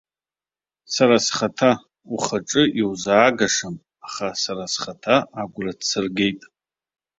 Сара схаҭа, ухаҿы, иузаагашам, аха, сара схаҭа агәра дсыргеит.